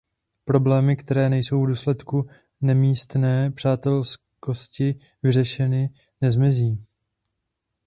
Problémy, které nejsou v důsledku nemístné přátelskosti vyřešeny, nezmizí.